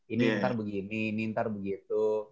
ini ntar begini ini ntar begitu